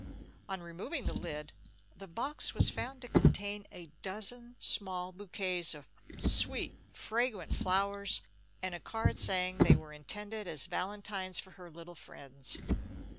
On removing the lid, the box was found to contain a dozen small bouquets of sweet, fragrant flowers, and a card saying they were intended as valentines for her little friends.